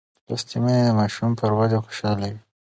لوستې میندې د ماشوم پر ودې خوشحاله وي.